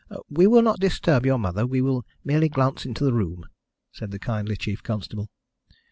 "We will not disturb your mother, we will merely glance into the room," said the kindly chief constable.